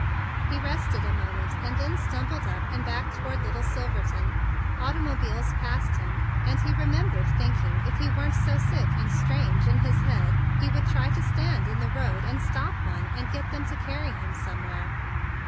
He rested a moment, and then stumbled up and back toward Little Silverton. Automobiles passed him, and he remembered thinking that, if he weren't so sick and queer in his head, he would try to stand in the road and stop one, and get them to carry him some¬ where.